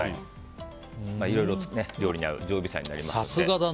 いろいろと料理に合う常備菜になります。